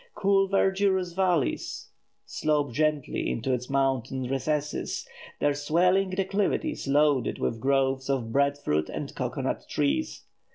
Cool verdurous valleys slope gently into its mountain recesses, their swelling declivities loaded with groves of bread fruit and cocoa nut trees.